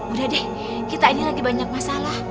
udah deh kita ini lagi banyak masalah